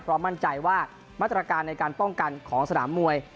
มั่นใจว่ามาตรการในการป้องกันของสนามมวย